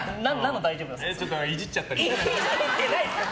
ちょっといじっちゃったけど。